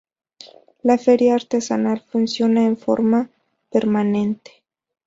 La Feria Artesanal funciona en forma permanente.